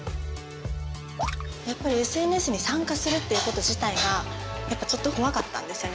やっぱりＳＮＳに参加するっていうこと自体がやっぱちょっと怖かったんですよね